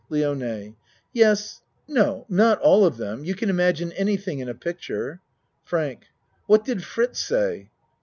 LIONE Yes no, not all of them. You can im agine anything in a picture. FRANK What did Fritz say?